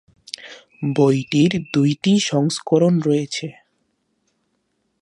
বইটির দুইটি সংস্করণ রয়েছে।